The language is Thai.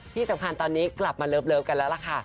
ที่สำคัญตอนนี้กลับมาเลิฟกันแล้วล่ะค่ะ